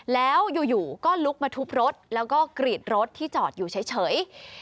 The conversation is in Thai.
แล้วอยู่ก็ลุกมาทุบรถแล้วก็กรีดรถที่จอดอยู่เฉย